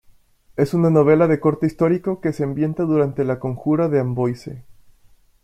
Es una novela de corte histórico que se ambienta durante la conjura de Amboise.